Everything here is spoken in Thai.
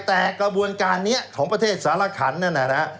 แต่กระบวนการนี้ของประเทศสารขันนั่นนะฮะ